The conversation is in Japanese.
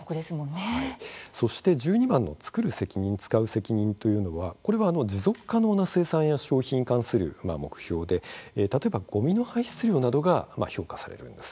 そして、１２番のつくる責任つかう責任というのは持続可能な生産や消費に関する目標でごみの排出量などが評価されるんです。